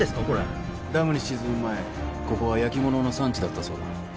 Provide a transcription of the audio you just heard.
これダムに沈む前ここは焼き物の産地だったそうだ